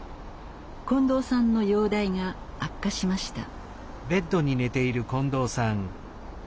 近藤さんの容体が悪化しました。